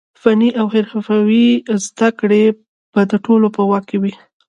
فني او حرفوي زده کړې به د ټولو په واک کې وي.